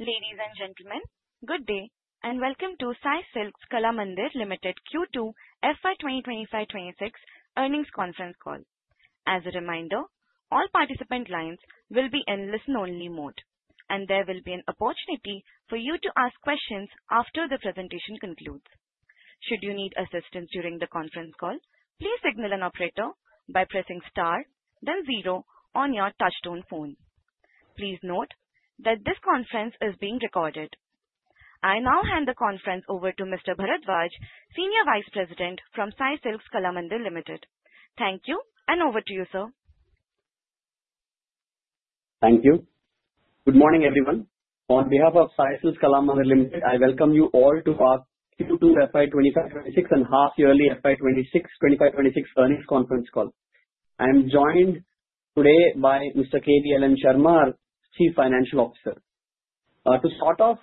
Ladies and gentlemen, good day and welcome to Sai Silks (Kalamandir) Limited Q2 FY 2025-26 Earnings Conference Call. As a reminder, all participant lines will be in listen-only mode, and there will be an opportunity for you to ask questions after the presentation concludes. Should you need assistance during the conference call, please signal an operator by pressing star then zero on your touchtone phone. Please note that this conference is being recorded. I now hand the conference over to Mr. Bharadwaj, Senior Vice President from Sai Silks (Kalamandir) Limited. Thank you, and over to you, sir. Thank you. Good morning, everyone. On behalf of Sai Silks (Kalamandir) Limited, I welcome you all to our Q2 FY 2025-2026 and half-yearly FY 2026-2025-2026 earnings conference call. I am joined today by Mr. K. D. L. N. Sharma, Chief Financial Officer. To start off,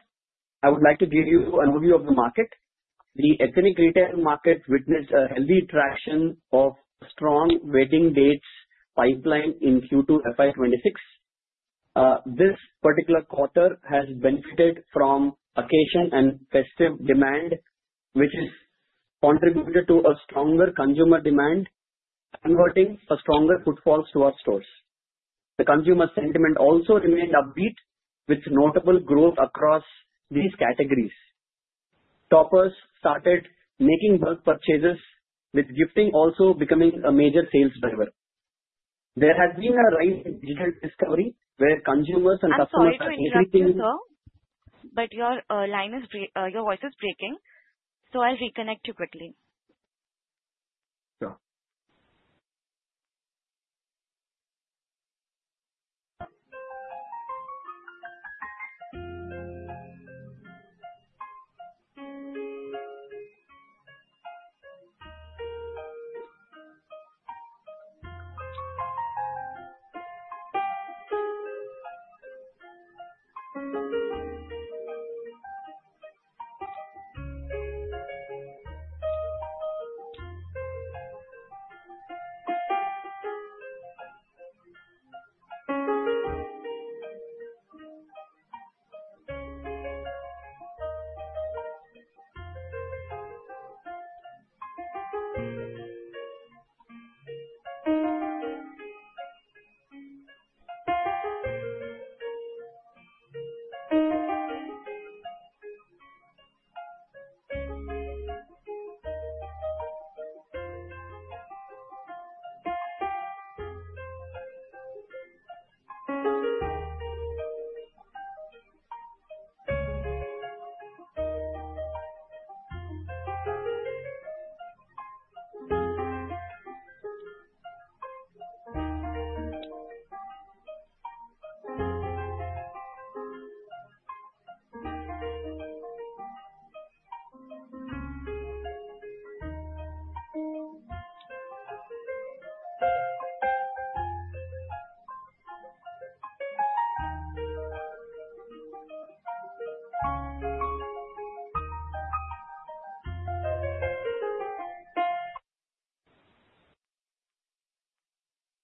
I would like to give you an overview of the market. The ethnic retail market witnessed a heavy traction of a strong wedding dates pipeline in Q2 FY 2026. This particular quarter has benefited from vacation and festive demand, which has contributed to a stronger consumer demand, converting a stronger footfall to our stores. The consumer sentiment also remained upbeat, with notable growth across these categories. Shoppers started making bulk purchases, with gifting also becoming a major sales driver. There has been a rise in digital discovery, where consumers and customers are increasingly. Hi, sorry to interrupt, sir, but your voice is breaking, so I'll reconnect you quickly.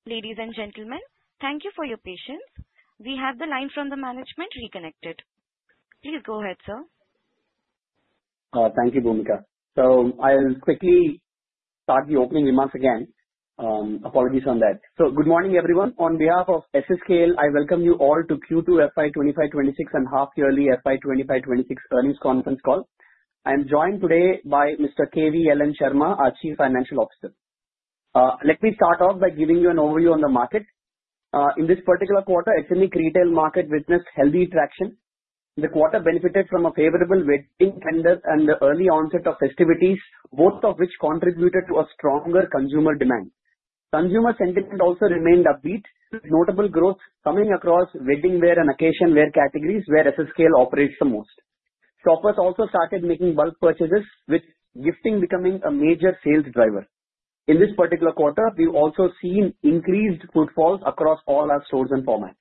Sure. Ladies and gentlemen, thank you for your patience. We have the line from the management reconnected. Please go ahead, sir. Thank you, Bhumika. So I'll quickly start the opening remarks again. Apologies on that. So good morning, everyone. On behalf of SSKL, I welcome you all to Q2 FY 2025-2026 and half-yearly FY 2025-2026 earnings conference call. I am joined today by Mr. K. D. L. N. Sharma, our Chief Financial Officer. Let me start off by giving you an overview on the market. In this particular quarter, the ethnic retail market witnessed healthy traction. The quarter benefited from a favorable wedding calendar and the early onset of festivities, both of which contributed to a stronger consumer demand. Consumer sentiment also remained upbeat, with notable growth coming across wedding wear and occasion wear categories, where SSKL operates the most. Shoppers also started making bulk purchases, with gifting becoming a major sales driver. In this particular quarter, we've also seen increased footfalls across all our stores and formats.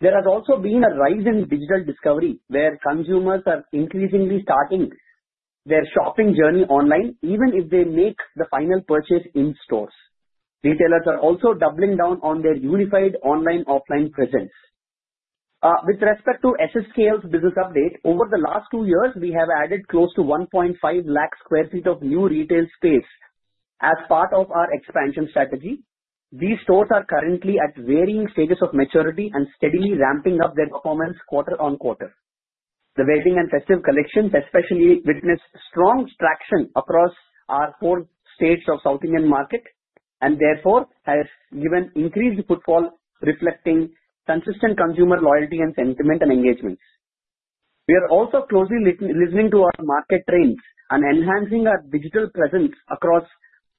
There has also been a rise in digital discovery, where consumers are increasingly starting their shopping journey online, even if they make the final purchase in stores. Retailers are also doubling down on their unified online/offline presence. With respect to SSKL's business update, over the last two years, we have added close to 1.5 lakh sq ft of new retail space as part of our expansion strategy. These stores are currently at varying stages of maturity and steadily ramping up their performance quarter-on-quarter. The wedding and festive collections especially witnessed strong traction across our four states of the South Indian market, and therefore has given increased footfall, reflecting consistent consumer loyalty and sentiment and engagement. We are also closely listening to our market trends and enhancing our digital presence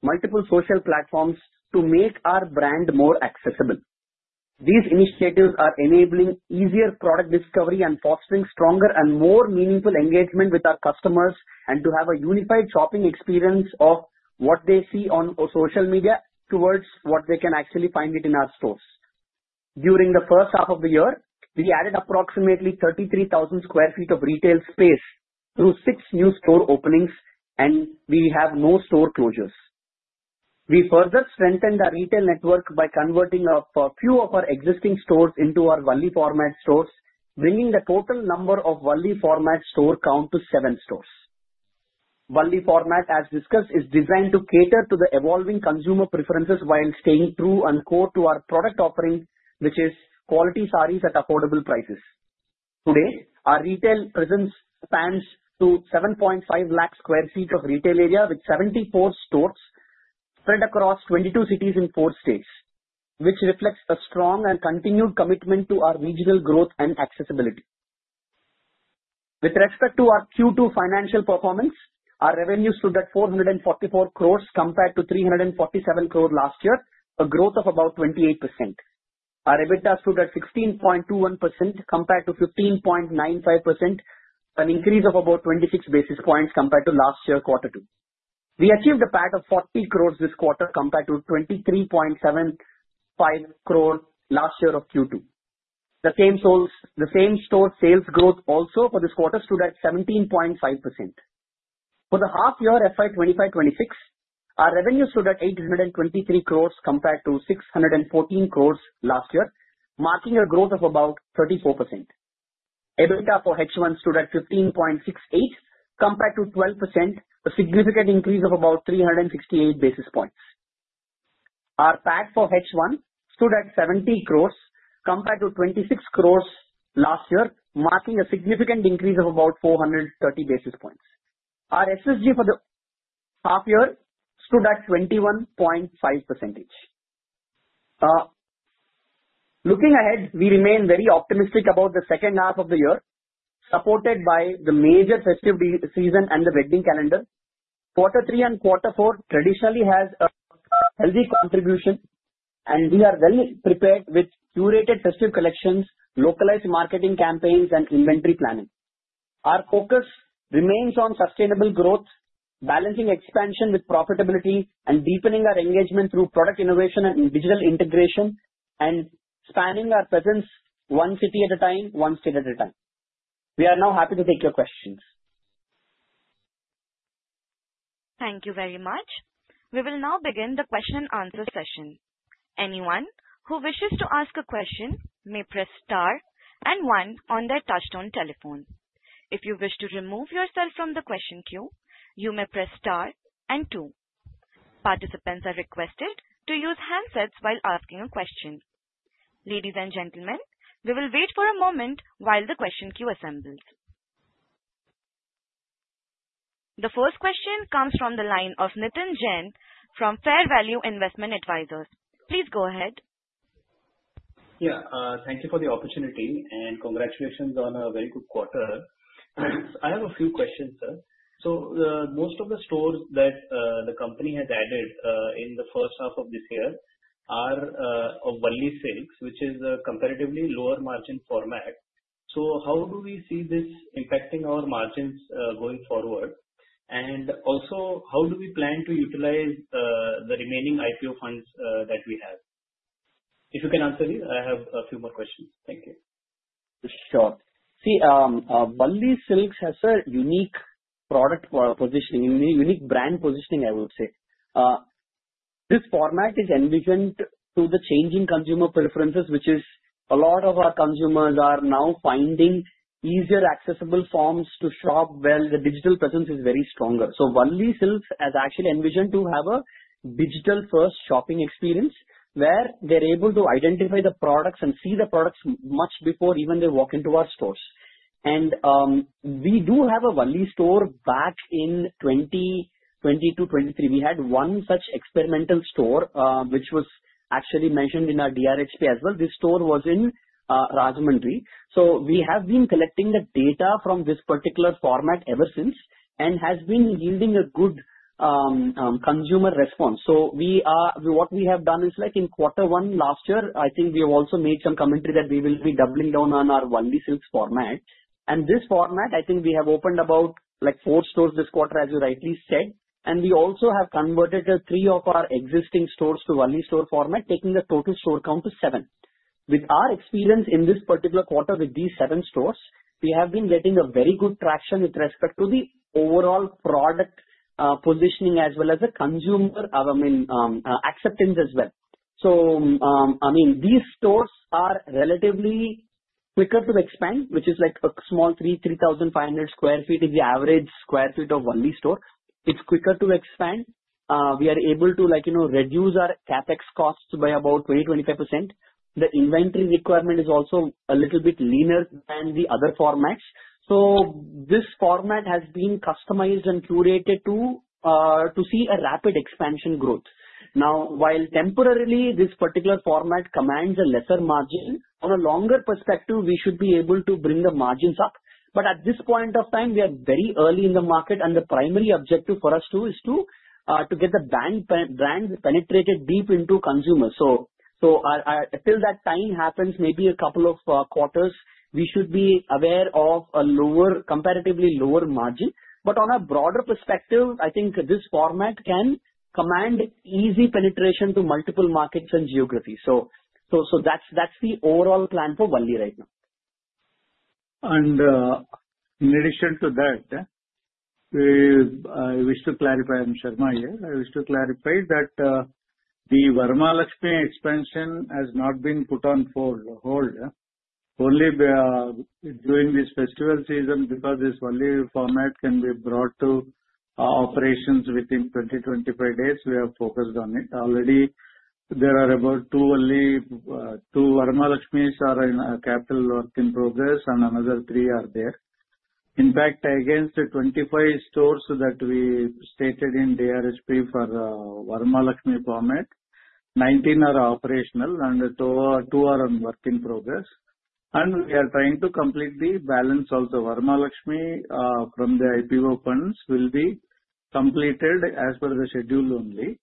across multiple social platforms to make our brand more accessible. These initiatives are enabling easier product discovery and fostering stronger and more meaningful engagement with our customers and to have a unified shopping experience of what they see on social media towards what they can actually find in our stores. During the first half of the year, we added approximately 33,000 sq ft of retail space through six new store openings, and we have no store closures. We further strengthened our retail network by converting a few of our existing stores into our Valli format stores, bringing the total number of Valli format store count to seven stores. Valli format, as discussed, is designed to cater to the evolving consumer preferences while staying true and core to our product offering, which is quality sarees at affordable prices. Today, our retail presence spans to 7.5 lakh sq ft of retail area with 74 stores spread across 22 cities in four states, which reflects a strong and continued commitment to our regional growth and accessibility. With respect to our Q2 financial performance, our revenues stood at 444 crores compared to 347 crores last year, a growth of about 28%. Our EBITDA stood at 16.21% compared to 15.95%, an increase of about 26 basis points compared to last year's quarter two. We achieved a PAT of 40 crores this quarter compared to 23.75 crores last year of Q2. The same store sales growth also for this quarter stood at 17.5%. For the half-year FY 2025-26, our revenues stood at 823 crores compared to 614 crores last year, marking a growth of about 34%. EBITDA for H1 stood at 15.68% compared to 12%, a significant increase of about 368 basis points. Our PAT for H1 stood at 70 crores compared to 26 crores last year, marking a significant increase of about 430 basis points. Our SSG for the half-year stood at 21.5%. Looking ahead, we remain very optimistic about the second half of the year, supported by the major festive season and the wedding calendar. Quarter three and quarter four traditionally have a healthy contribution, and we are well prepared with curated festive collections, localized marketing campaigns, and inventory planning. Our focus remains on sustainable growth, balancing expansion with profitability and deepening our engagement through product innovation and digital integration, and spanning our presence one city at a time, one state at a time. We are now happy to take your questions. Thank you very much. We will now begin the question-and-answer session. Anyone who wishes to ask a question may press star and one on their touchtone telephone. If you wish to remove yourself from the question queue, you may press star and two. Participants are requested to use handsets while asking a question. Ladies and gentlemen, we will wait for a moment while the question queue assembles. The first question comes from the line of Nitin Jain from Fair Value Investment Advisors. Please go ahead. Yeah, thank you for the opportunity, and congratulations on a very good quarter. I have a few questions, sir, so most of the stores that the company has added in the first half of this year are Valli Silks, which is a comparatively lower margin format, so how do we see this impacting our margins going forward? And also, how do we plan to utilize the remaining IPO funds that we have? If you can answer these, I have a few more questions. Thank you. Sure. See, Valli Silks has a unique product positioning, unique brand positioning, I would say. This format is envisioned through the changing consumer preferences, which is a lot of our consumers are now finding easier accessible forms to shop while the digital presence is very stronger, so Valli Silks has actually envisioned to have a digital-first shopping experience where they're able to identify the products and see the products much before even they walk into our stores, and we do have a Valli store back in 2022-2023. We had one such experimental store, which was actually mentioned in our DRHP as well. This store was in Rajahmundry, so we have been collecting the data from this particular format ever since and has been yielding a good consumer response. So what we have done is, like in quarter one last year, I think we have also made some commentary that we will be doubling down on our Valli Silks format, and this format, I think we have opened about four stores this quarter, as you rightly said, and we also have converted three of our existing stores to Valli store format, taking the total store count to seven. With our experience in this particular quarter with these seven stores, we have been getting a very good traction with respect to the overall product positioning as well as the consumer, I mean, acceptance as well, so, I mean, these stores are relatively quicker to expand, which is like a small 3,500 sq ft is the average square feet of Valli store. It's quicker to expand. We are able to reduce our CapEx costs by about 20-25%. The inventory requirement is also a little bit leaner than the other formats. So this format has been customized and curated to see a rapid expansion growth. Now, while temporarily this particular format commands a lesser margin, on a longer perspective, we should be able to bring the margins up. But at this point of time, we are very early in the market, and the primary objective for us too is to get the brand penetrated deep into consumers. So until that time happens, maybe a couple of quarters, we should be aware of a lower, comparatively lower margin. But on a broader perspective, I think this format can command easy penetration to multiple markets and geographies. So that's the overall plan for Valli right now. In addition to that, I wish to clarify. I'm Sharma here. I wish to clarify that the Vara Mahalakshmi expansion has not been put on hold. Only during this festival season, because this Valli format can be brought to operations within 20-25 days, we have focused on it. Already, there are about two Valli, two Vara Mahalakshmis in capital work in progress, and another three are there. In fact, against the 25 stores that we stated in DRHP for Vara Mahalakshmi format, 19 are operational, and two are in work in progress. We are trying to complete the balance of the Vara Mahalakshmi from the IPO funds will be completed as per the schedule only.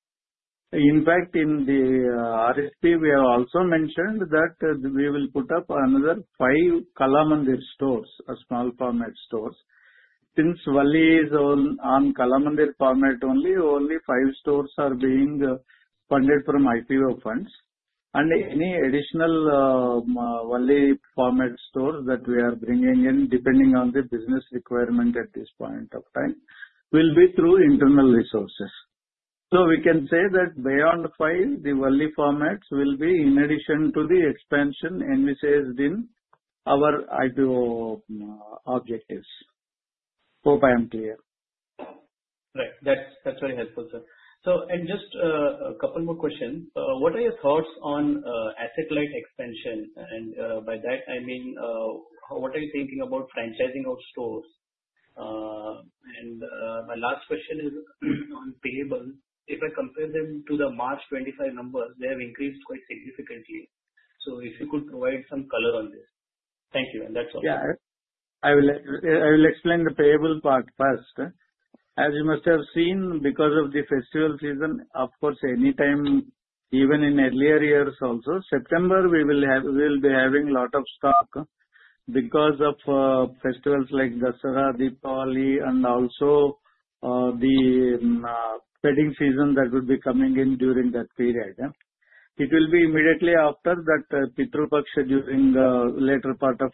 In fact, in the DRHP, we have also mentioned that we will put up another five Kalamandir stores, small format stores. Since Valli is on Kalamandir format only, only five stores are being funded from IPO funds. And any additional Valli format stores that we are bringing in, depending on the business requirement at this point of time, will be through internal resources. So we can say that beyond five, the Valli formats will be in addition to the expansion envisaged in our IPO objectives. Hope I am clear. Right. That's very helpful, sir. So, and just a couple more questions. What are your thoughts on asset-light expansion? And by that, I mean, what are you thinking about franchising out stores? And my last question is on payables. If I compare them to the March 2025 numbers, they have increased quite significantly. So if you could provide some color on this. Thank you. And that's all. Yeah. I will explain the payable part first. As you must have seen, because of the festival season, of course, anytime, even in earlier years also, September, we will be having a lot of stock because of festivals like Dussehra, Deepavali, and also the wedding season that would be coming in during that period. It will be immediately after that Pitru Paksha during the later part of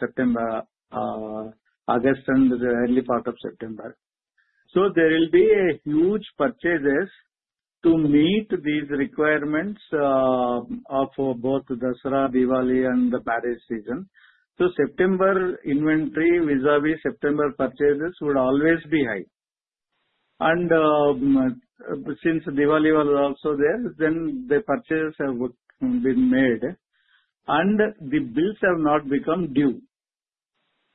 September, August, and the early part of September. So there will be huge purchases to meet these requirements of both Dussehra, Diwali, and the wedding season. So September inventory vis-à-vis September purchases would always be high. Since Diwali was also there, then the purchases have been made, and the bills have not become due.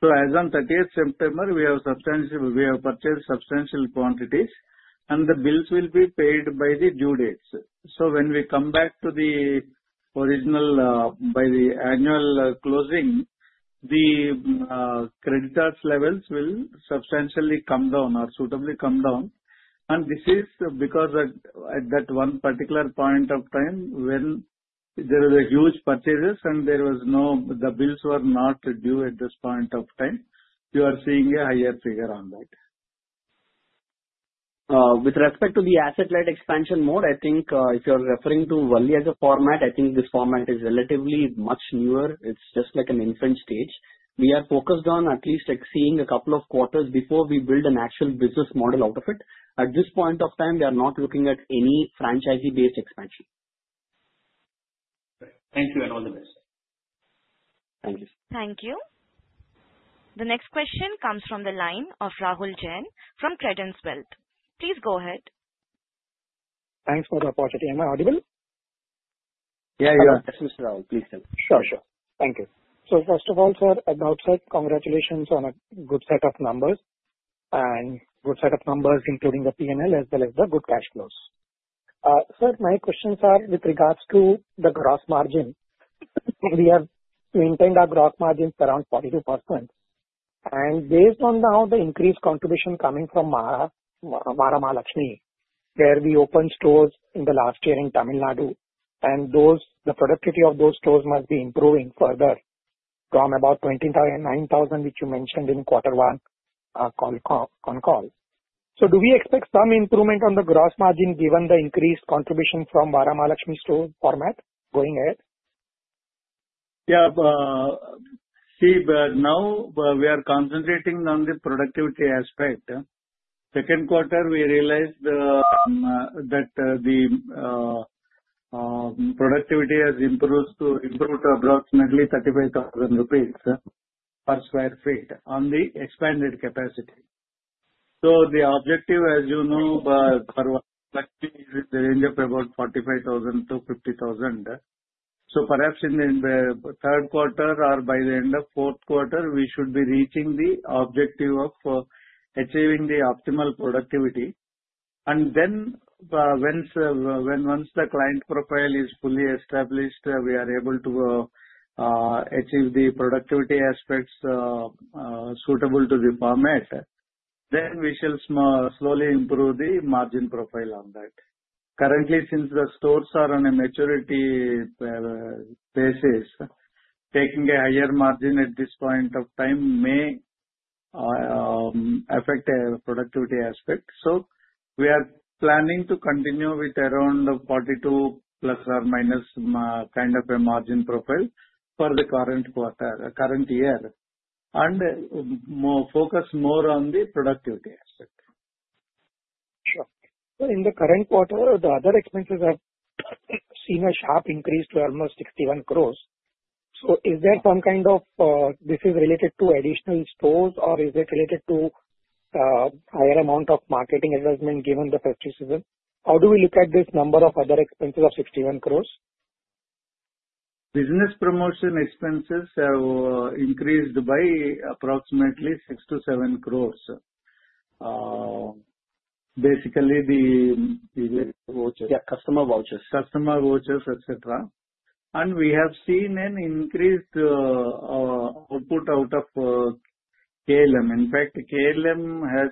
So as on 30th September, we have purchased substantial quantities, and the bills will be paid by the due dates. When we come back to the original by the annual closing, the creditors' levels will substantially come down or suitably come down. This is because at that one particular point of time when there were huge purchases and the bills were not due at this point of time, you are seeing a higher figure on that. With respect to the asset-light expansion mode, I think if you're referring to Valli as a format, I think this format is relatively much newer. It's just like an infant stage. We are focused on at least seeing a couple of quarters before we build an actual business model out of it. At this point of time, we are not looking at any franchisee-based expansion. Thank you, and all the best. Thank you. Thank you. The next question comes from the line of Rahul Jain from Credence Wealth. Please go ahead. Thanks for the opportunity. Am I audible? Yeah, you are. Yes, Mr. Rahul, please tell me. Sure, sure. Thank you. So first of all, sir, as I've said, congratulations on a good set of numbers and good set of numbers, including the P&L as well as the good cash flows. Sir, my questions are with regards to the gross margin. We have maintained our gross margins around 42%. And based on now the increased contribution coming from Vara Mahalakshmi, where we opened stores in the last year in Tamil Nadu, and the productivity of those stores must be improving further from about 29,000, which you mentioned in quarter one on call. So do we expect some improvement on the gross margin given the increased contribution from Vara Mahalakshmi store format going ahead? Yeah. See, now we are concentrating on the productivity aspect. Second quarter, we realized that the productivity has improved to approximately 35,000 rupees per sq ft on the expanded capacity. So the objective, as you know, Vara Mahalakshmi is in the range of about 45,000-50,000. So perhaps in the third quarter or by the end of fourth quarter, we should be reaching the objective of achieving the optimal productivity. And then once the client profile is fully established, we are able to achieve the productivity aspects suitable to the format. Then we shall slowly improve the margin profile on that. Currently, since the stores are on a maturity basis, taking a higher margin at this point of time may affect productivity aspect. So we are planning to continue with around 42+ or - kind of a margin profile for the current year. And focus more on the productivity aspect. Sure. So in the current quarter, the other expenses have seen a sharp increase to almost 61 crores. So is there some kind of this is related to additional stores or is it related to higher amount of marketing advertisement given the festive season? How do we look at this number of other expenses of 61 crores? Business promotion expenses have increased by approximately 6-7 crores. Basically, the. Customer vouchers. Yeah, customer vouchers, customer vouchers, etc. And we have seen an increased output out of KLM. In fact, KLM has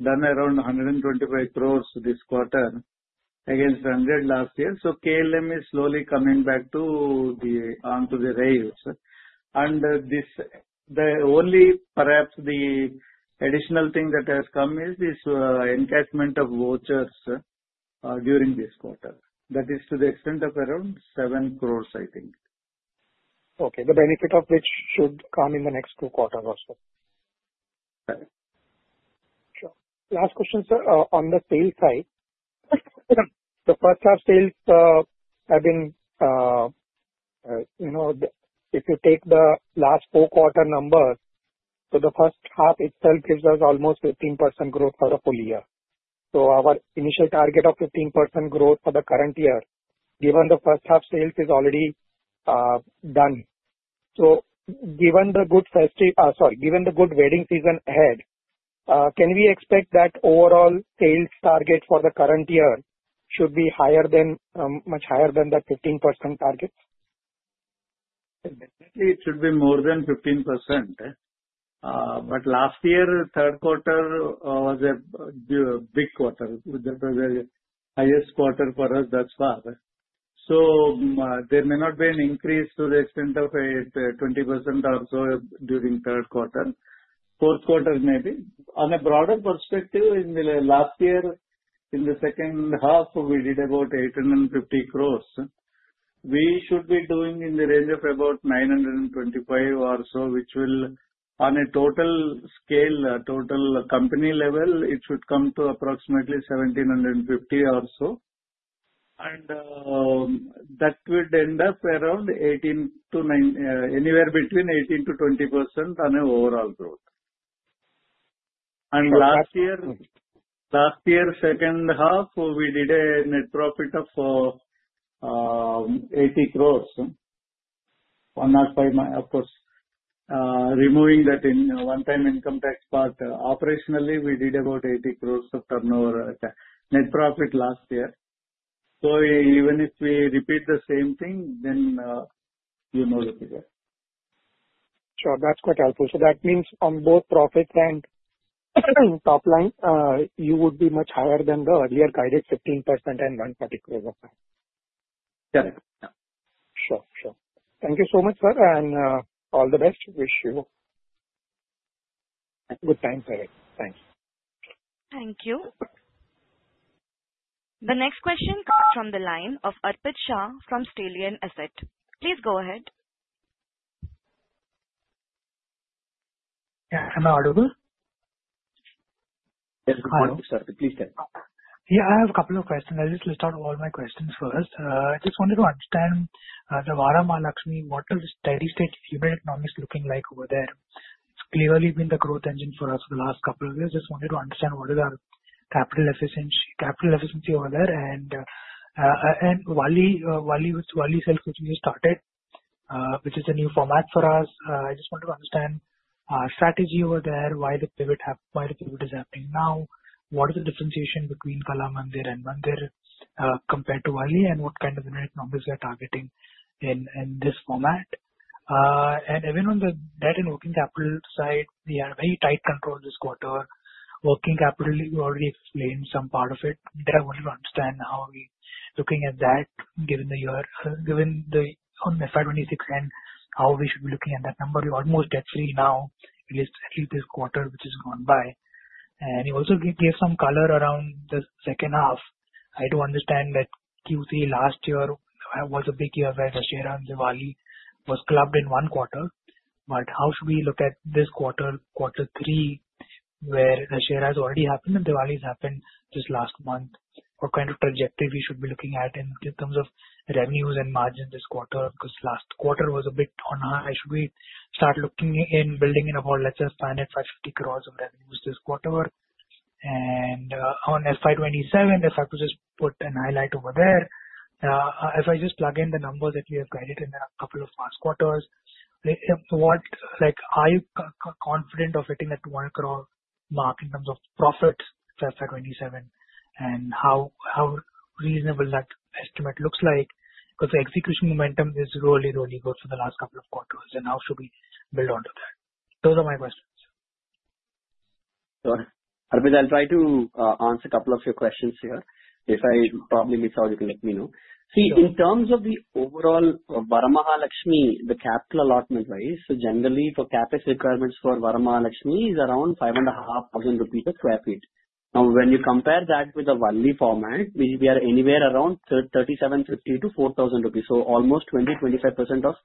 done around 125 crores this quarter against 100 last year. So KLM is slowly coming back onto the rails. And the only perhaps the additional thing that has come is this encashment of vouchers during this quarter. That is to the extent of around 7 crores, I think. Okay. The benefit of which should come in the next two quarters also. Right. Sure. Last question, sir. On the sales side, the first-half sales have been, if you take the last four quarter numbers, so the first half itself gives us almost 15% growth for the full year, so our initial target of 15% growth for the current year, given the first-half sales is already done, so given the good festive, given the good wedding season ahead, can we expect that overall sales target for the current year should be higher, much higher than that 15% target? Definitely, it should be more than 15%. Last year, third quarter was a big quarter. That was the highest quarter for us thus far. So there may not be an increase to the extent of 20% or so during third quarter, fourth quarter maybe. On a broader perspective, last year, in the second half, we did about 850 crores. We should be doing in the range of about 925 or so, which will, on a total scale, total company level, it should come to approximately 1,750 or so. That would end up around 18 to anywhere between 18 to 20% on an overall growth. Last year, second half, we did a net profit of 80 crores. 105, of course, removing that in one-time income tax part. Operationally, we did about 80 crores of turnover net profit last year. So even if we repeat the same thing, then you know the figure. Sure. That's quite helpful. So that means on both profit and top line, you would be much higher than the earlier guided 15% and 140 crores of profit. Correct. Sure, sure. Thank you so much, sir. And all the best. Wish you good time period. Thanks. Thank you. The next question comes from the line of Arpit Shah from Stallion Asset. Please go ahead. Yeah. Am I audible? Yes. Good morning, sir. Please tell me. Yeah. I have a couple of questions. I just list out all my questions first. I just wanted to understand the Vara Mahalakshmi model is steady-state hybrid economics looking like over there. It's clearly been the growth engine for us for the last couple of years. Just wanted to understand what is our capital efficiency over there. And Valli Silks continues to started, which is a new format for us. I just wanted to understand our strategy over there, why the pivot is happening now, what is the differentiation between Kalamandir and Mandir compared to Valli, and what kind of economics we are targeting in this format. And even on the debt and working capital side, we had very tight control this quarter. Working capital, you already explained some part of it. I wanted to understand how are we looking at that given the year given the FY 2026 and how we should be looking at that number? We're almost debt-free now, at least this quarter which has gone by. And you also gave some color around the second half. I do understand that Q3 last year was a big year where Dussehra and Diwali was clubbed in one quarter. But how should we look at this quarter, quarter three, where Dussehra has already happened and Diwali has happened this last month? What kind of trajectory we should be looking at in terms of revenues and margin this quarter? Because last quarter was a bit on high. Should we start looking in building in about, let's say, 550 crores of revenues this quarter? And on FY 2027, if I could just put a highlight over there, if I just plug in the numbers that we have guided in the couple of past quarters, are you confident of hitting that 1 crore mark in terms of profits for FY 2027 and how reasonable that estimate looks like? Because the execution momentum is really, really good for the last couple of quarters. And how should we build onto that? Those are my questions. Sure. Arpit, I'll try to answer a couple of your questions here. If I probably miss out, you can let me know. See, in terms of the overall Vara Mahalakshmi, the capital allotment-wise, so generally, for CapEx requirements for Vara Mahalakshmi is around 5,500 rupees per sq ft. Now, when you compare that with the Valli format, which we are anywhere around 3,750-4,000 rupees, so almost 20%-25% of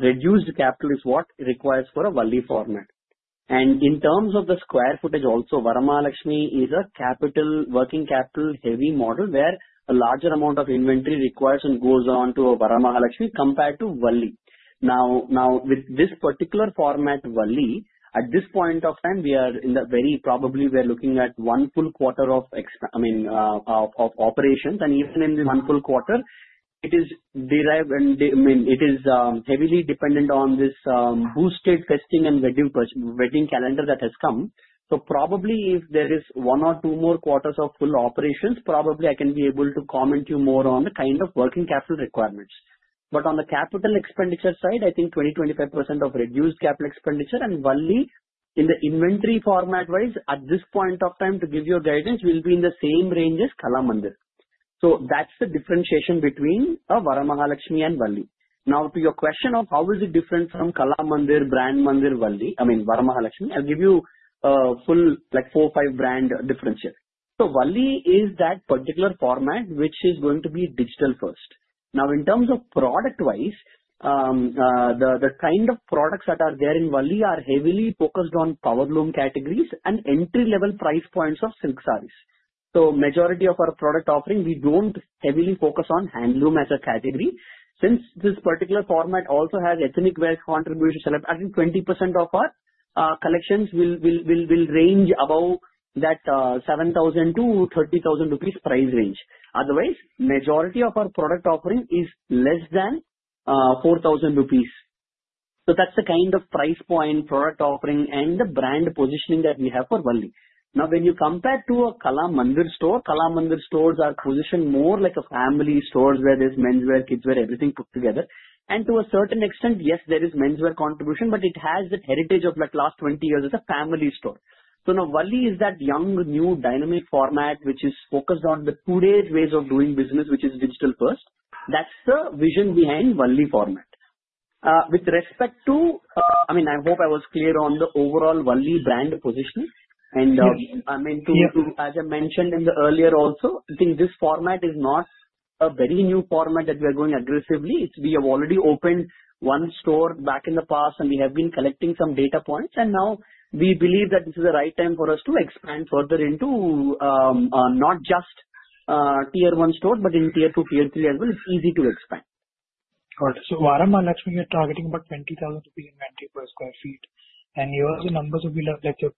reduced capital is what requires for a Valli format. In terms of the square footage, also, Vara Mahalakshmi is a working capital-heavy model where a larger amount of inventory requires and goes on to Vara Mahalakshmi compared to Valli. Now, with this particular format, Valli, at this point of time, we are in the very probably we are looking at one full quarter of operations. Even in the one full quarter, it is derived and it is heavily dependent on this boosted festive and wedding calendar that has come. Probably if there is one or two more quarters of full operations, probably I can be able to comment you more on the kind of working capital requirements. On the capital expenditure side, I think 20%-25% of reduced capital expenditure and Valli in the inventory format-wise, at this point of time, to give you a guidance, will be in the same range as Kalamandir. That's the differentiation between Vara Mahalakshmi and Valli. Now, to your question of how is it different from Kalamandir, Mandir, Valli I mean, Vara Mahalakshmi, I'll give you full four, five brand differentiate. Valli is that particular format which is going to be digital-first. Now, in terms of product-wise, the kind of products that are there in Valli are heavily focused on power loom categories and entry-level price points of silk saris. So majority of our product offering, we don't heavily focus on handloom as a category since this particular format also has ethnic wear contribution. I think 20% of our collections will range above that 7,000-30,000 rupees price range. Otherwise, majority of our product offering is less than 4,000 rupees. So that's the kind of price point, product offering, and the brand positioning that we have for Valli. Now, when you compare to a Kalamandir store, Kalamandir stores are positioned more like a family stores where there's menswear, kidswear, everything put together. And to a certain extent, yes, there is menswear contribution, but it has the heritage of the last 20 years as a family store. So now, Valli is that young, new, dynamic format which is focused on today's ways of doing business, which is digital-first. That's the vision behind Valli format. With respect to, I mean, I hope I was clear on the overall Valli brand positioning. And I mean, as I mentioned in the earlier also, I think this format is not a very new format that we are going aggressively. We have already opened one store back in the past, and we have been collecting some data points. And now we believe that this is the right time for us to expand further into not just tier-one stores, but in tier-two, tier-three as well. It's easy to expand. Got it. So Vara Mahalakshmi, you're targeting about 20,000 rupees inventory per square feet. And you have the numbers of like 12,000,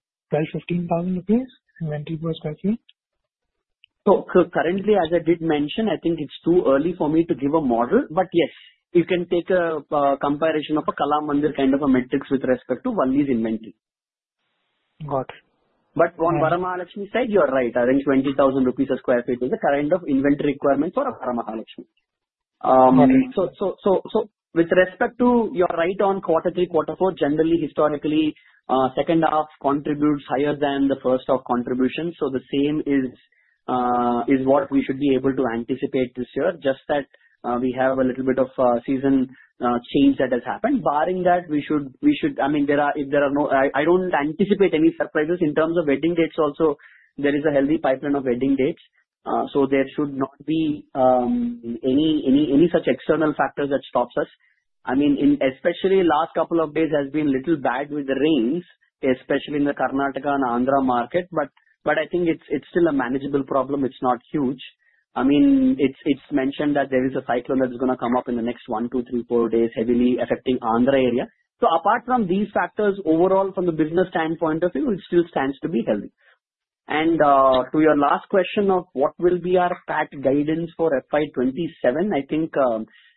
15,000 rupees inventory per sq ft? So currently, as I did mention, I think it's too early for me to give a model. But yes, you can take a comparison of a Kalamandir kind of a metrics with respect to Valli 's inventory. Got it. But on Vara Mahalakshmi side, you're right. I think 20,000 rupees sq ft is the kind of inventory requirement for Vara Mahalakshmi. So with respect to your right on quarter three, quarter four, generally, historically, second half contributes higher than the first half contribution. So the same is what we should be able to anticipate this year, just that we have a little bit of season change that has happened. Barring that, we should I mean, if there are no I don't anticipate any surprises in terms of wedding dates also. There is a healthy pipeline of wedding dates. So there should not be any such external factors that stop us. I mean, especially last couple of days has been a little bad with the rains, especially in the Karnataka and Andhra market. But I think it's still a manageable problem. It's not huge. I mean, it's mentioned that there is a cyclone that is going to come up in the next one, two, three, four days, heavily affecting Andhra area. So apart from these factors, overall, from the business standpoint of view, it still stands to be healthy. And to your last question of what will be our PAT guidance for FY 2027, I think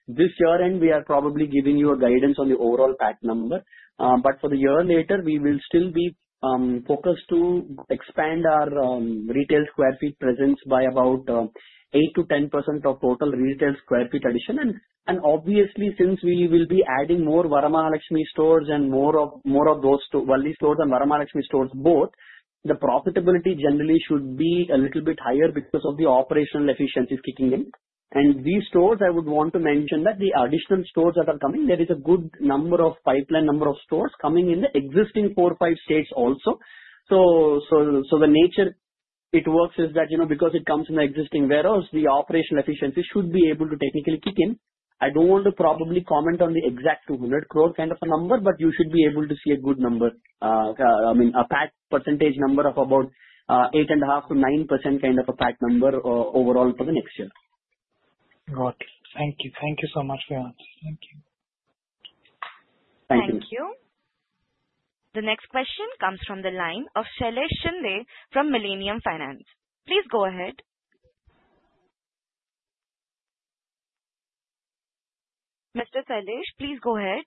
this year-end, we are probably giving you a guidance on the overall PAT number. But for the year later, we will still be focused to expand our retail sq ft presence by about 8%-10% of total retail sq ft addition. Obviously, since we will be adding more Vara Mahalakshmi stores and more of those Valli stores and Vara Mahalakshmi stores both, the profitability generally should be a little bit higher because of the operational efficiencies kicking in. These stores, I would want to mention that the additional stores that are coming, there is a good number of pipeline number of stores coming in the existing four, five states also. The nature it works is that because it comes from the existing warehouse, the operational efficiency should be able to technically kick in. I don't want to probably comment on the exact 200 crore kind of a number, but you should be able to see a good number, I mean, a PAC percentage number of about 8.5%-9% kind of a PAC number overall for the next year. Got it. Thank you. Thank you so much for your answers. Thank you. Thank you. Thank you. The next question comes from the line of Shailesh Shinde from Millennium Finance. Please go ahead. Mr. Shilesh, please go ahead.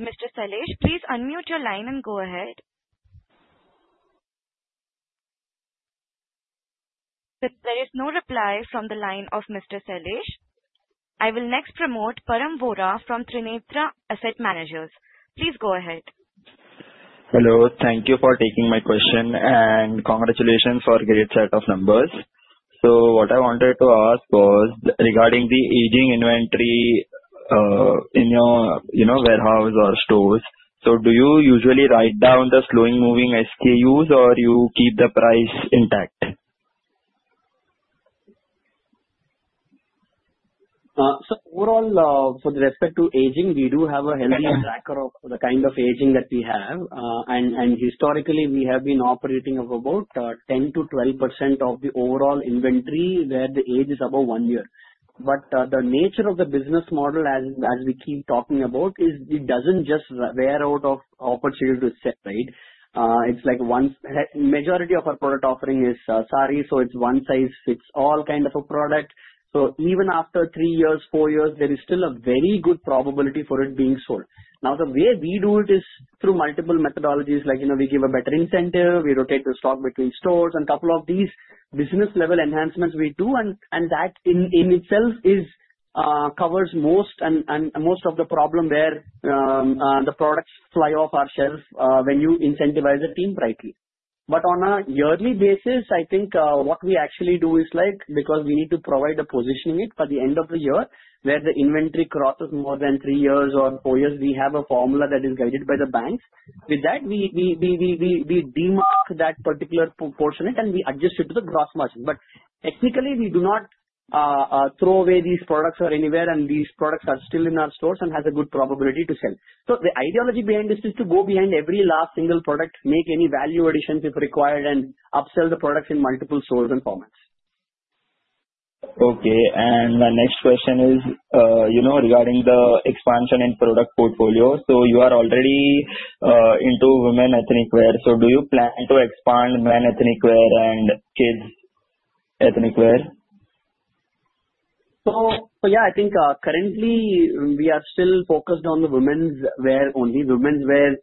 Mr. Shilesh, please unmute your line and go ahead. There is no reply from the line of Mr. Shilesh. I will next move to Param Vora from Trinetra Asset Managers. Please go ahead. Hello. Thank you for taking my question. And congratulations for a great set of numbers. So what I wanted to ask was regarding the aging inventory in your warehouse or stores. So do you usually write down the slow-moving SKUs, or you keep the price intact? So overall, with respect to aging, we do have a healthy tracker of the kind of aging that we have. And historically, we have been operating at about 10%-12% of the overall inventory where the age is above one year. But the nature of the business model, as we keep talking about, is it doesn't just wear out or lose opportunity to sell, right? It's like majority of our product offering is sari, so it's one size fits all kind of a product. So even after three years, four years, there is still a very good probability for it being sold. Now, the way we do it is through multiple methodologies. We give a better incentive. We rotate the stock between stores. A couple of these business-level enhancements we do, and that in itself covers most of the problem where the products fly off our shelf when you incentivize the team rightly. But on a yearly basis, I think what we actually do is because we need to provide a positioning it for the end of the year where the inventory crosses more than three years or four years, we have a formula that is guided by the banks. With that, we demark that particular proportionate, and we adjust it to the gross margin. But technically, we do not throw away these products anywhere, and these products are still in our stores and have a good probability to sell. So the ideology behind this is to go behind every last single product, make any value additions if required, and upsell the products in multiple stores and formats. Okay. My next question is regarding the expansion in product portfolio. You are already into women's ethnic wear. Do you plan to expand men's ethnic wear and kids' ethnic wear? Yeah, I think currently, we are still focused on the women's wear only. Women's wear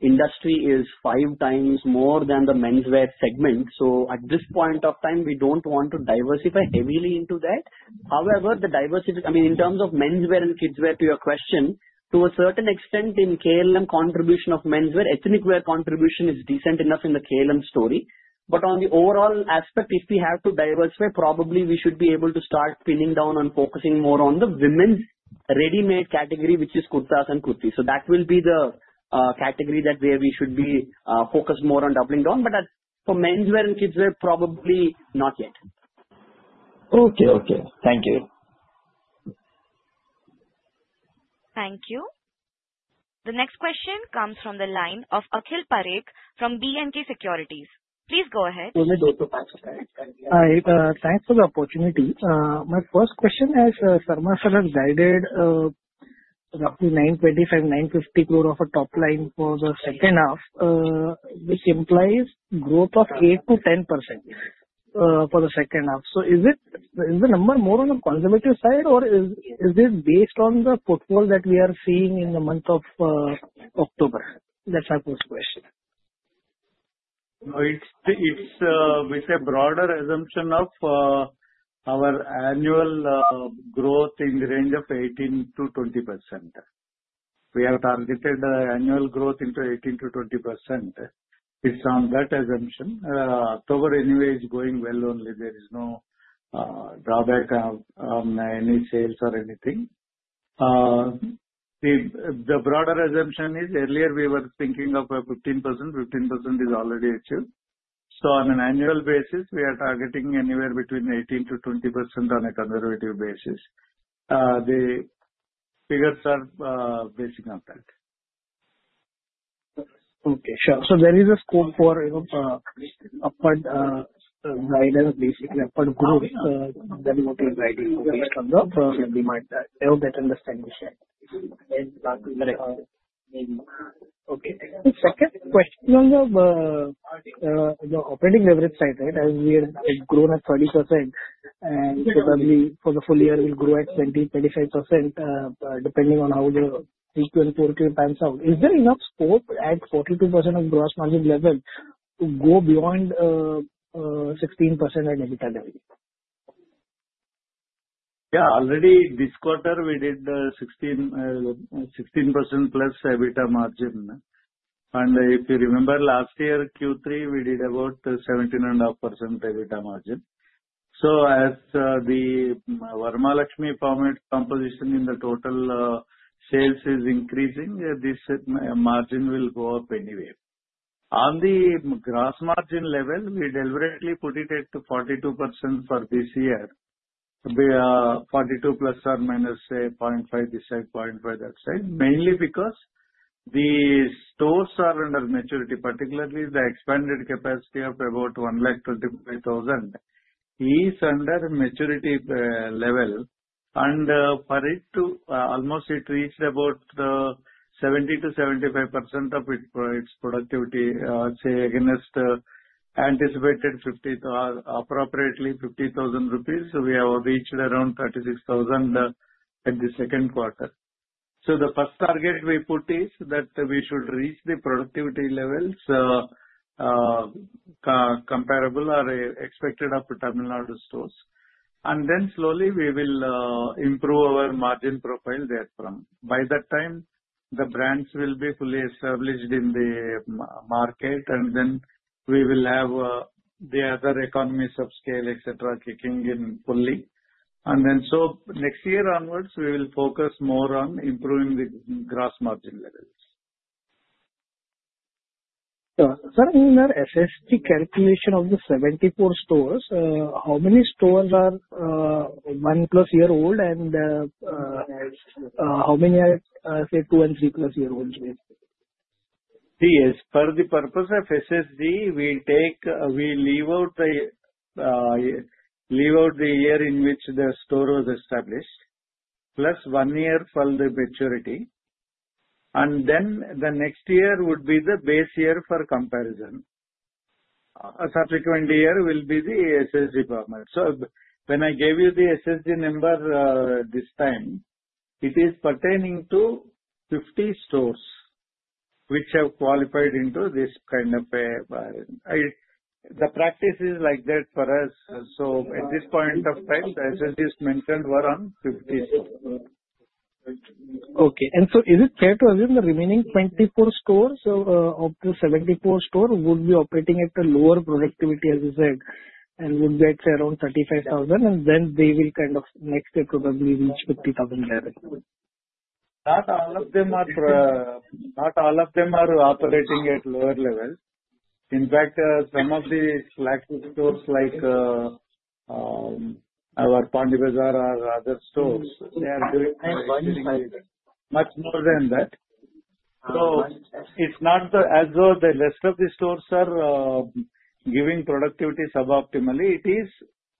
industry is 5x more than the menswear segment. At this point of time, we don't want to diversify heavily into that. However, the diversity I mean, in terms of menswear and kids' wear, to your question, to a certain extent in KLM contribution of menswear, ethnic wear contribution is decent enough in the KLM story. But on the overall aspect, if we have to diversify, probably we should be able to start pinning down on focusing more on the women's ready-made category, which is kurtas and kurtis. So that will be the category where we should be focused more on doubling down. But for menswear and kidswear, probably not yet. Okay. Okay. Thank you. Thank you. The next question comes from the line of Akhil Parekh from B&K Securities. Please go ahead. Thanks for the opportunity. My first question is, Vara Mahalakshmi has guided roughly 925 crore, 950 crore of a top line for the second half, which implies growth of 8%-10% for the second half, so is the number more on a conservative side, or is it based on the portfolio that we are seeing in the month of October? That's my first question. No, it's with a broader assumption of our annual growth in the range of 18%-20%. We have targeted annual growth into 18%-20%. It's on that assumption. October anyway is going well only. There is no drawback on any sales or anything. The broader assumption is earlier we were thinking of a 15%. 15% is already achieved. So on an annual basis, we are targeting anywhere between 18%-20% on a conservative basis. The figures are basing on that. Okay. Sure. So there is a scope for upward guidance, basically upward growth than what is guiding based on the demand. I hope that understanding. Correct. Okay. Second question on the operating leverage side, right? As we have grown at 30%, and probably for the full year, we'll grow at 20%-25% depending on how the Q2 and Q4 pans out. Is there enough scope at 42% of gross margin level to go beyond 16% at EBITDA level? Yeah. Already this quarter, we did 16% plus EBITDA margin. And if you remember last year, Q3, we did about 17.5% EBITDA margin. So as the Vara Mahalakshmi composition in the total sales is increasing, this margin will go up anyway. On the gross margin level, we deliberately put it at 42% for this year, 42% plus or minus 0.5% this side, 0.5% that side, mainly because the stores are under maturity, particularly the expanded capacity of about 125,000. It's under maturity level. And for it almost reached about 70%-75% of its productivity against anticipated appropriately 50,000 rupees. We have reached around 36,000 at the second quarter. So the first target we put is that we should reach the productivity levels comparable or expected of Tamil Nadu stores. And then slowly, we will improve our margin profile therefrom. By that time, the brands will be fully established in the market, and then we will have the other economies of scale, etc., kicking in fully, and then so next year onwards, we will focus more on improving the gross margin levels. Sir, in your SSG calculation of the 74 stores, how many stores are one plus year old, and how many are say 2 and 3+ year old? See, as per the purpose of SSG, we'll leave out the year in which the store was established, plus one year for the maturity. Then the next year would be the base year for comparison. Subsequent year will be the SSG format. So when I gave you the SSG number this time, it is pertaining to 50 stores which have qualified into this kind of a practice. The practice is like that for us. So at this point of time, the SSGs mentioned were on 50 stores. Okay. And so is it fair to assume the remaining 24 stores of the 74 stores would be operating at a lower productivity, as you said, and would be at around 35,000, and then they will kind of next year probably reach 50,000 level? Not all of them are operating at lower level. In fact, some of the flagship stores like our Pondy Bazaar or other stores, they are doing much more than that. So it's not as though the rest of the stores are giving productivity suboptimally. It is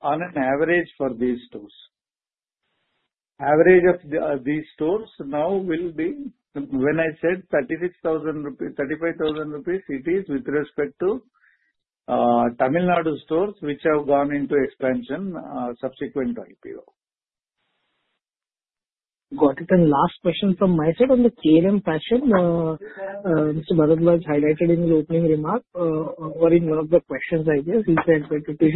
on an average for these stores. Average of these stores now will be when I said 36,000 rupees, 35,000 rupees. It is with respect to Tamil Nadu stores which have gone into expansion subsequent to IPO. Got it. And last question from my side on the KLM fashion. Mr. Bharadwaj has highlighted in his opening remark or in one of the questions, I guess. He said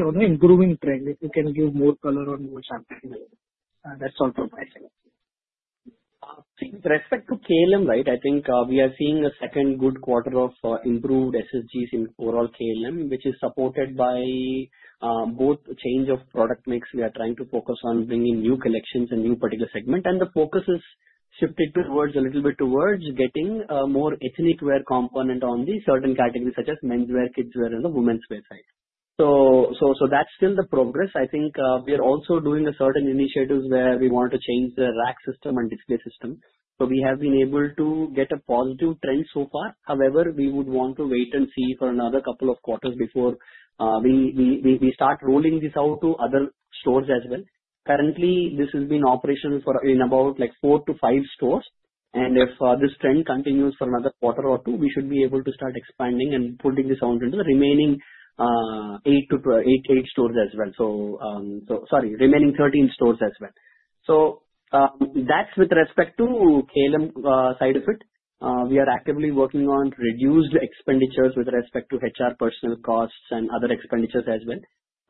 on an improving trend, if you can give more color on what's happening. That's all from my side. With respect to KLM, right, I think we are seeing a second good quarter of improved SSGs in overall KLM, which is supported by both change of product mix. We are trying to focus on bringing new collections and new particular segment, and the focus is shifted towards a little bit towards getting more ethnic wear component on the certain categories such as menswear, kidswear, and the women's wear side, so that's still the progress. I think we are also doing a certain initiatives where we want to change the rack system and display system, so we have been able to get a positive trend so far. However, we would want to wait and see for another couple of quarters before we start rolling this out to other stores as well. Currently, this has been operational for about four to five stores. And if this trend continues for another quarter or two, we should be able to start expanding and putting this out into the remaining eight stores as well. So sorry, remaining 13 stores as well. So that's with respect to KLM side of it. We are actively working on reduced expenditures with respect to HR personnel costs and other expenditures as well.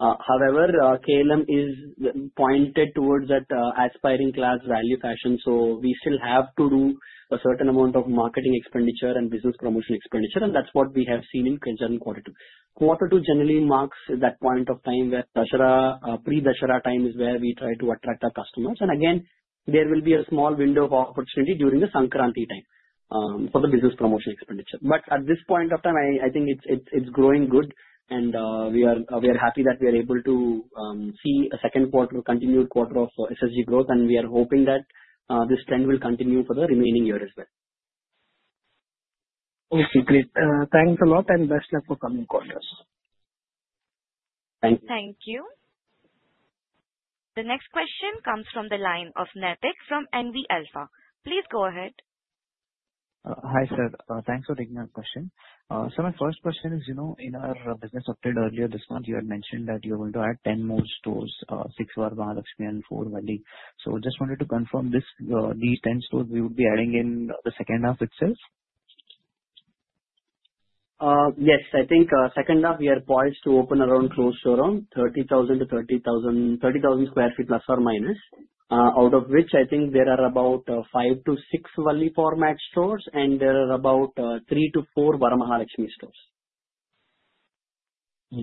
However, KLM is pointed towards that aspirational class value fashion. So we still have to do a certain amount of marketing expenditure and business promotion expenditure. And that's what we have seen in the current quarter too. Quarter two generally marks that point of time where pre-Dussehra time is where we try to attract our customers. And again, there will be a small window of opportunity during the Sankranti time for the business promotion expenditure. But at this point of time, I think it's growing good. We are happy that we are able to see a second quarter, continued quarter of SSG growth. We are hoping that this trend will continue for the remaining year as well. Okay. Great. Thanks a lot and best luck for coming quarters. Thank you. Thank you. The next question comes from the line of Naitik from NV Alpha. Please go ahead. Hi sir. Thanks for taking our question. So my first question is, in our business update earlier this month, you had mentioned that you are going to add 10 more stores, six for Vara Mahalakshmi and four Valli. So just wanted to confirm these 10 stores we would be adding in the second half itself? Yes. I think second half, we are poised to open around close to around 30,000 to 30,000 sq ft + or -, out of which I think there are about five to six Valli format stores, and there are about three to four Vara Mahalakshmi stores.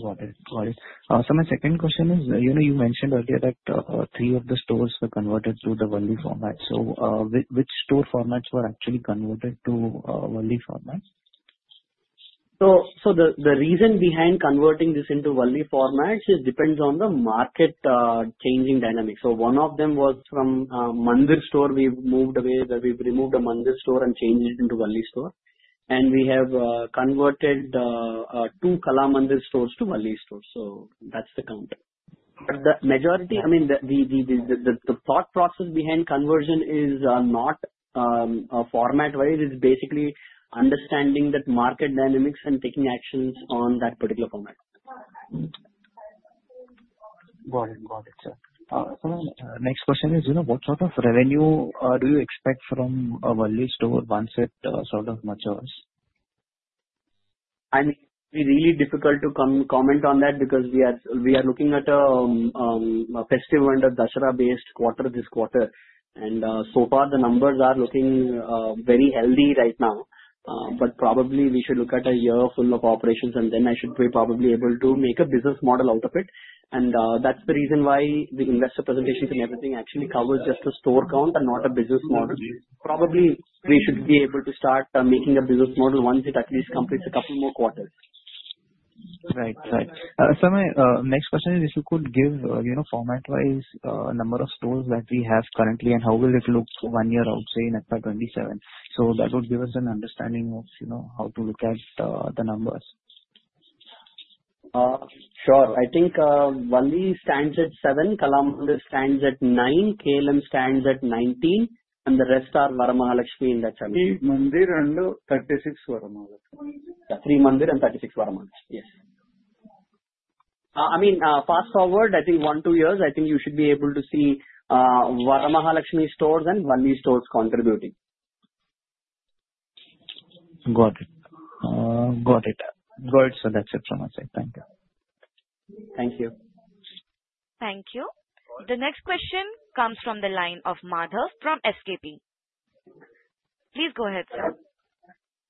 Got it. Got it. So my second question is, you mentioned earlier that three of the stores were converted to the Valli format. So which store formats were actually converted to Valli format? So the reason behind converting this into Valli formats depends on the market changing dynamics. So one of them was from Mandir store. We've moved away where we've removed a Mandir store and changed it into Valli store. And we have converted two Kalamandir stores to Valli stores. So that's the count. But the majority, I mean, the thought process behind conversion is not format-wise. It's basically understanding that market dynamics and taking actions on that particular format. Got it. Got it, sir. So next question is, what sort of revenue do you expect from a Valli store once it sort of matures? I mean, it's really difficult to comment on that because we are looking at a festive, Dussehra-based quarter this quarter. And so far, the numbers are looking very healthy right now. But probably we should look at a year full of operations, and then I should be probably able to make a business model out of it. And that's the reason why the investor presentations and everything actually cover just the store count and not a business model. Probably we should be able to start making a business model once it at least completes a couple more quarters. Right. Right. So my next question is, if you could give format-wise number of stores that we have currently and how will it look one year out, say in FY 2027? So that would give us an understanding of how to look at the numbers. Sure. I think Valli stands at seven, Kalamandir stands at nine, KLM stands at 19, and the rest are Vara Mahalakshmi in that segment. Three Mandir and 36 Vara Mahalakshmi. Yeah. Three Mandir and 36 Vara Mahalakshmi. Yes. I mean, fast forward, I think one, two years, I think you should be able to see Vara Mahalakshmi stores and Valli stores contributing. Got it. Got it. Got it. So that's it from my side. Thank you. Thank you. Thank you. The next question comes from the line of Madhav from SKP. Please go ahead, sir.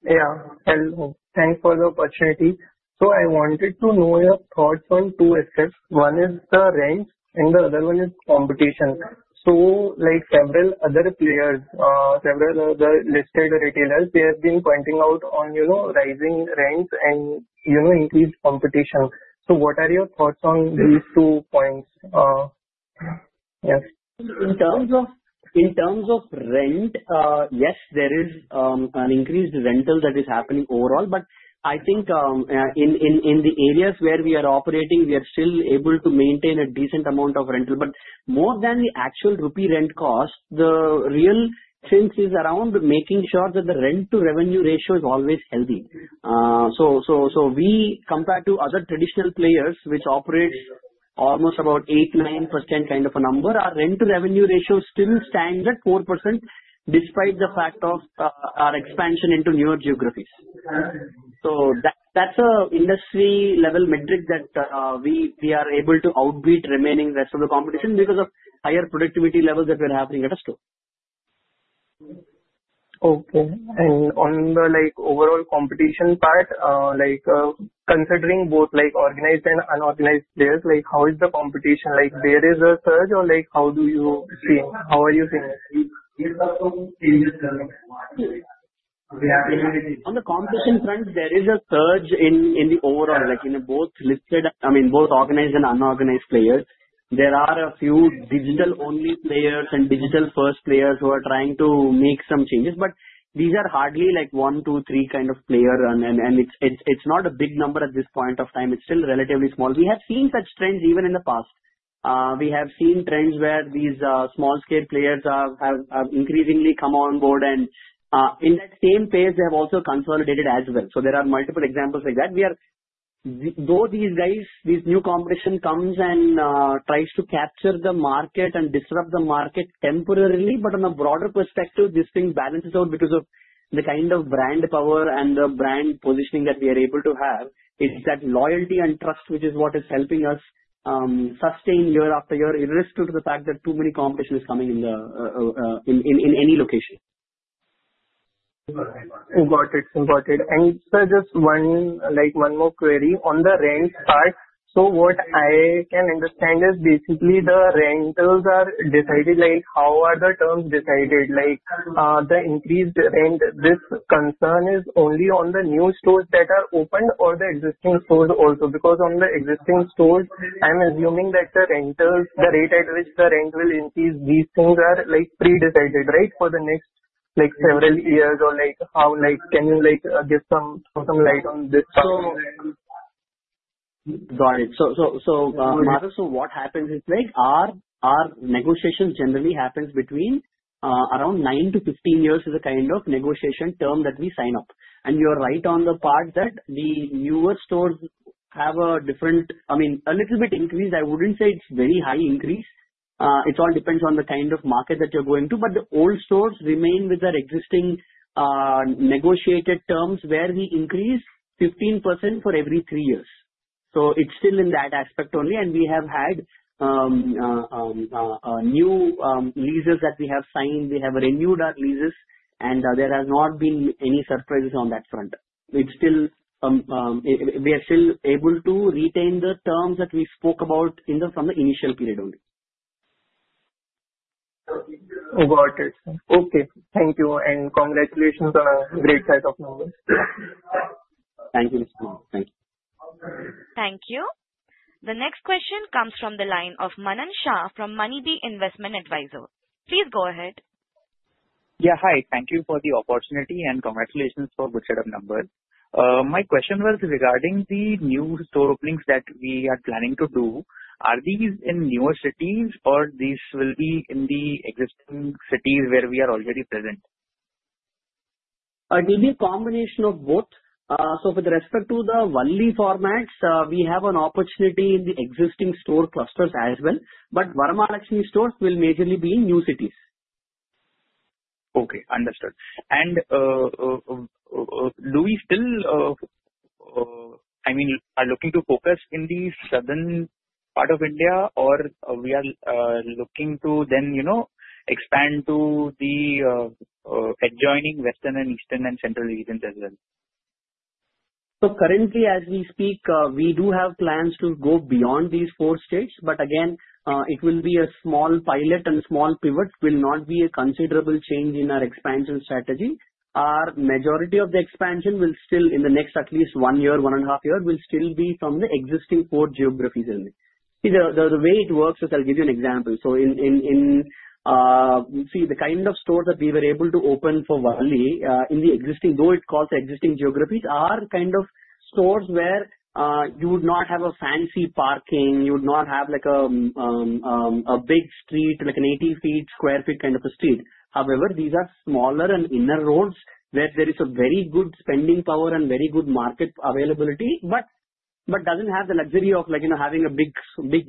Yeah. Hello. Thanks for the opportunity. So I wanted to know your thoughts on two aspects. One is the rent, and the other one is competition. So like several other players, several other listed retailers, they have been pointing out on rising rents and increased competition. So what are your thoughts on these two points? Yes. In terms of rent, yes, there is an increased rental that is happening overall. But I think in the areas where we are operating, we are still able to maintain a decent amount of rental. But more than the actual rupee rent cost, the real thing is around making sure that the rent-to-revenue ratio is always healthy. So we compare to other traditional players which operate almost about 8%-9% kind of a number, our rent-to-revenue ratio still stands at 4% despite the fact of our expansion into newer geographies. So that's an industry-level metric that we are able to outbeat the remaining rest of the competition because of higher productivity levels that we're having at a store. Okay. And on the overall competition part, considering both organized and unorganized players, how is the competition? There is a surge or how do you see it? How are you seeing it? On the competition front, there is a surge in the overall, in both listed, I mean, both organized and unorganized players. There are a few digital-only players and digital-first players who are trying to make some changes, but these are hardly like one, two, three kind of players, and it's not a big number at this point of time. It's still relatively small. We have seen such trends even in the past. We have seen trends where these small-scale players have increasingly come on board, and in that same pace, they have also consolidated as well, so there are multiple examples like that. Though these guys, this new competition comes and tries to capture the market and disrupt the market temporarily, but on a broader perspective, this thing balances out because of the kind of brand power and the brand positioning that we are able to have. It's that loyalty and trust which is what is helping us sustain year after year irrespective of the fact that too many competition is coming in any location. Got it. Got it. And sir, just one more query. On the rent part, so what I can understand is basically the rentals are decided like how are the terms decided? The increased rent, this concern is only on the new stores that are opened or the existing stores also? Because on the existing stores, I'm assuming that the rental, the rate at which the rent will increase, these things are pre-decided, right, for the next several years or how can you give some light on this part? Got it. So Madhav, so what happens is our negotiation generally happens between around nine to 15 years. It is a kind of negotiation term that we sign up. And you are right on the part that the newer stores have a different, I mean, a little bit increased. I wouldn't say it's very high increase. It all depends on the kind of market that you're going to. But the old stores remain with their existing negotiated terms where we increase 15% for every three years. So it's still in that aspect only. And we have had new leases that we have signed. We have renewed our leases, and there has not been any surprises on that front. We are still able to retain the terms that we spoke about from the initial period only. Got it. Okay. Thank you, and congratulations on a great set of numbers. Thank you, Mr. Madhav. Thank you. Thank you. The next question comes from the line of Manan Shah from MoneyBee Investment Advisor. Please go ahead. Yeah. Hi. Thank you for the opportunity and congratulations for which set of numbers. My question was regarding the new store openings that we are planning to do. Are these in newer cities or these will be in the existing cities where we are already present? It will be a combination of both. So with respect to the Valli formats, we have an opportunity in the existing store clusters as well. But Vara Mahalakshmi stores will majorly be in new cities. Okay. Understood. And do we still, I mean, are looking to focus in the southern part of India or we are looking to then expand to the adjoining western and eastern and central regions as well? So currently, as we speak, we do have plans to go beyond these four states. But again, it will be a small pilot and small pivot. It will not be a considerable change in our expansion strategy. Our majority of the expansion will still, in the next at least one year, one and a half years, will still be from the existing four geographies only. The way it works is I'll give you an example. So see, the kind of stores that we were able to open for Valli in the existing, though it calls existing geographies, are kind of stores where you would not have a fancy parking. You would not have a big street, like an 80-ft sq ft kind of a street. However, these are smaller and inner roads where there is a very good spending power and very good market availability, but doesn't have the luxury of having a big,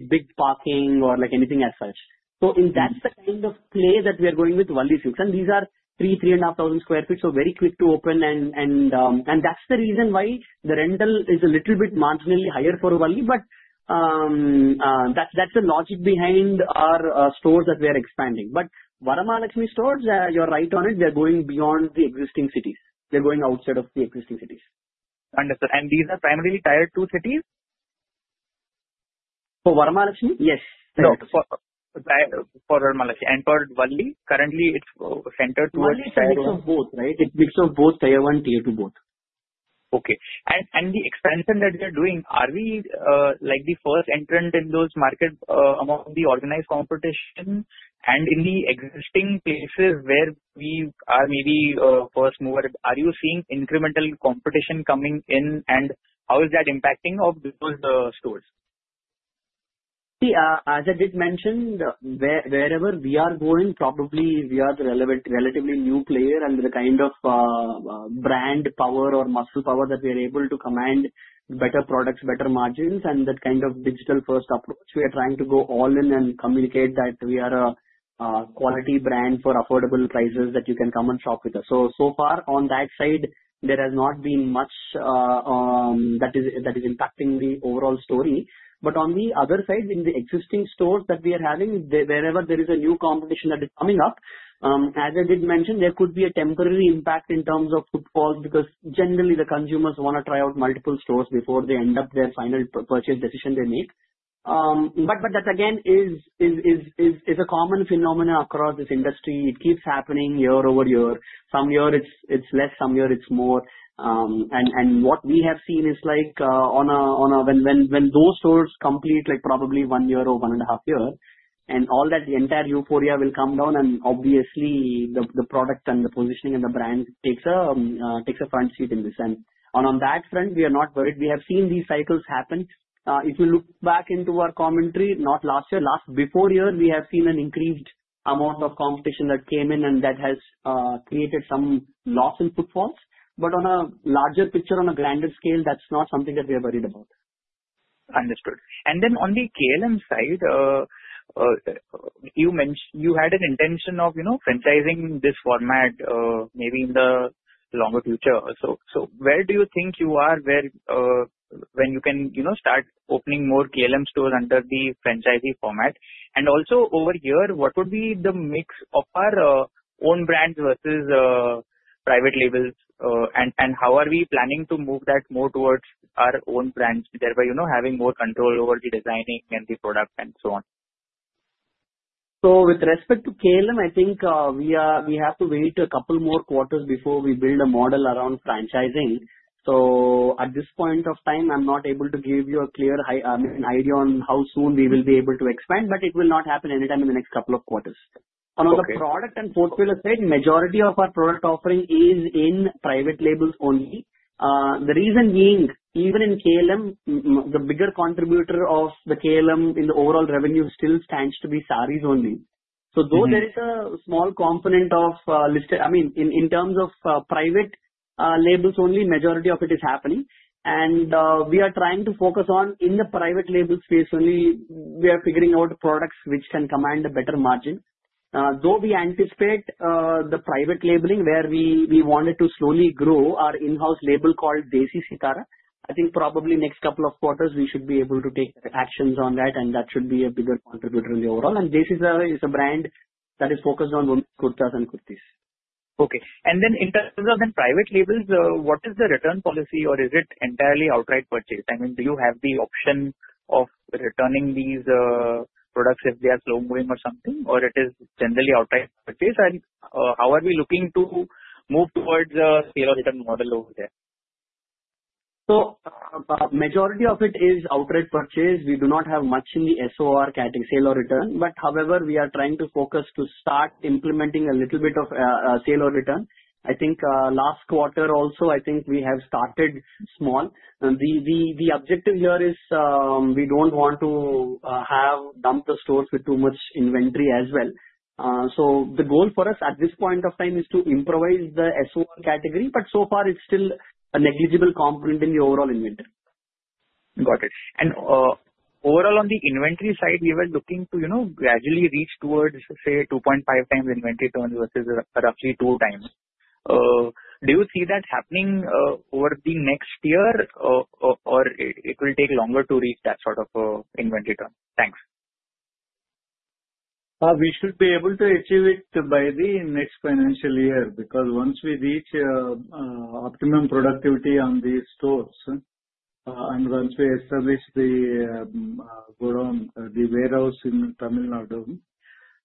big parking or anything as such. So that's the kind of play that we are going with Valli 6. And these are three, three and a half thousand sq ft, so very quick to open. And that's the reason why the rental is a little bit marginally higher for Valli. But that's the logic behind our stores that we are expanding. But Vara Mahalakshmi stores, you're right on it. They're going beyond the existing cities. They're going outside of the existing cities. Understood. These are primarily tied to cities? For Vara Mahalakshmi? Yes. For Vara Mahalakshmi and for Valli, currently it's centered towards? Valli is a mix of both, right? It's a mix of both tier one and tier two both. Okay. And the expansion that we are doing, are we the first entrant in those markets among the organized competition? And in the existing places where we are maybe first movers, are you seeing incremental competition coming in? And how is that impacting of those stores? As I did mention, wherever we are going, probably we are the relatively new player and the kind of brand power or muscle power that we are able to command better products, better margins, and that kind of digital-first approach. We are trying to go all in and communicate that we are a quality brand for affordable prices that you can come and shop with us. So far on that side, there has not been much that is impacting the overall story. But on the other side, in the existing stores that we are having, wherever there is a new competition that is coming up, as I did mention, there could be a temporary impact in terms of footfall because generally the consumers want to try out multiple stores before they end up their final purchase decision they make. But that, again, is a common phenomenon across this industry. It keeps happening year over year. Some year it's less, some year it's more. And what we have seen is when those stores complete probably one year or one and a half year, and all that entire euphoria will come down. And obviously, the product and the positioning and the brand takes a front seat in this. And on that front, we are not worried. We have seen these cycles happen. If you look back into our commentary, not last year, before year, we have seen an increased amount of competition that came in and that has created some loss in footfalls. But on a larger picture, on a grander scale, that's not something that we are worried about. Understood. And then on the KLM side, you had an intention of franchising this format maybe in the longer future. So where do you think you are when you can start opening more KLM stores under the franchisee format? And also over here, what would be the mix of our own brands versus private labels? And how are we planning to move that more towards our own brands, thereby having more control over the designing and the product and so on? With respect to KLM, I think we have to wait a couple more quarters before we build a model around franchising. At this point of time, I'm not able to give you an idea on how soon we will be able to expand, but it will not happen anytime in the next couple of quarters. On the product and portfolio side, majority of our product offering is in private labels only. The reason being, even in KLM, the bigger contributor of the KLM in the overall revenue still stands to be sarees only. Though there is a small component of, I mean, in terms of private labels only, majority of it is happening. We are trying to focus on in the private label space only. We are figuring out products which can command a better margin. Though we anticipate the private labeling where we wanted to slowly grow our in-house label called Desi Sitara, I think probably next couple of quarters we should be able to take actions on that, and that should be a bigger contributor in the overall. And Desi Sitara is a brand that is focused on women's kurtas and kurtis. Okay. And then in terms of the private labels, what is the return policy or is it entirely outright purchase? I mean, do you have the option of returning these products if they are slow-moving or something, or it is generally outright purchase? And how are we looking to move towards a sale-or-return model over there? So majority of it is outright purchase. We do not have much in the SOR category, sale-or-return. But however, we are trying to focus to start implementing a little bit of sale-or-return. I think last quarter also, I think we have started small. The objective here is we don't want to have dumped the stores with too much inventory as well. So the goal for us at this point of time is to improvise the SOR category, but so far it's still a negligible component in the overall inventory. Got it. And overall on the inventory side, we were looking to gradually reach towards, say, 2.5x inventory turn versus roughly 2x. Do you see that happening over the next year, or it will take longer to reach that sort of inventory turn? Thanks. We should be able to achieve it by the next financial year because once we reach optimum productivity on these stores and once we establish the warehouse in Tamil Nadu,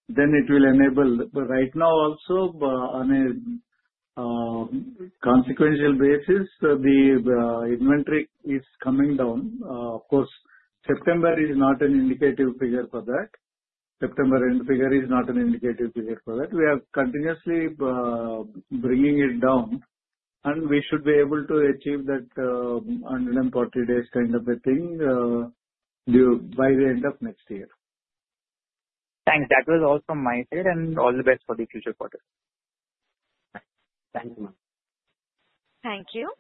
then it will enable. But right now also, on a consignment basis, the inventory is coming down. Of course, September is not an indicative figure for that. September end figure is not an indicative figure for that. We are continuously bringing it down, and we should be able to achieve that 140 days kind of a thing by the end of next year. Thanks. That was all from my side, and all the best for the future quarter. Thank you. Thank you.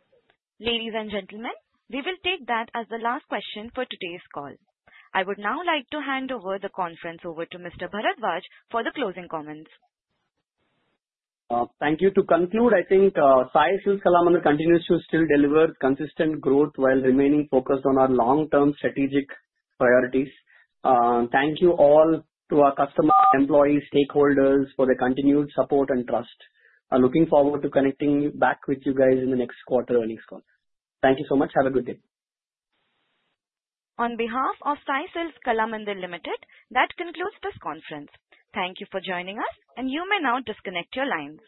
Ladies and gentlemen, we will take that as the last question for today's call. I would now like to hand over the conference to Mr. Bharadwaj for the closing comments. Thank you. To conclude, I think Sai Silks Kalamandir continues to still deliver consistent growth while remaining focused on our long-term strategic priorities. Thank you all to our customers, employees, stakeholders for the continued support and trust. Looking forward to connecting back with you guys in the next quarter earnings call. Thank you so much. Have a good day. On behalf of Sai Silks Kalamandir Limited, that concludes this conference. Thank you for joining us, and you may now disconnect your lines.